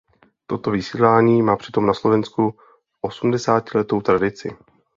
Toto vysílání má přitom na Slovensku osmdesátiletou tradici.